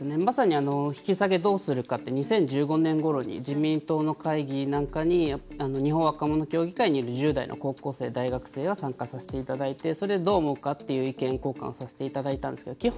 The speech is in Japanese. まさに引き下げどうするかって２０１５年ごろに自民党の会議なんかに日本若者協議会にいる１０代の高校生、大学生が参加させていただいてそれで、どう思うかという意見交換をさせていただいたんですけど。